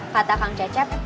kata kang cecep